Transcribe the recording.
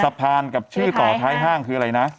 สะพานกับชื่อต่อท้ายห้างคืออะไรนะ